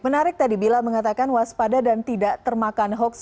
menarik tadi bila mengatakan waspada dan tidak termakan hoax